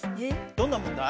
どんな問題？